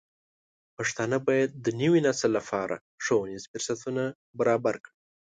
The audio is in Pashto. پښتانه بايد د نوي نسل لپاره ښوونیز فرصتونه برابر کړي.